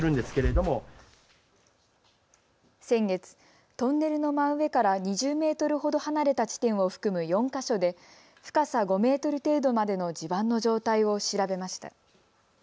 先月、トンネルの真上から２０メートルほど離れた地点を含む４か所で深さ５メートル程度までの地盤の状態を調べました。